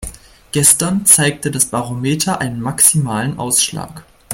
Gestern zeigte das Barometer einen maximalen Ausschlag.